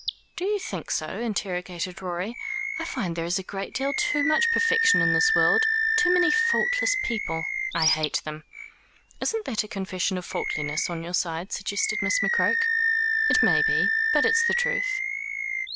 "Do you think so?" interrogated Rorie. "I find there is a great deal too much perfection in this world, too many faultless people I hate them." "Isn't that a confession of faultiness on your side?" suggested Miss McCroke. "It may be. But it's the truth."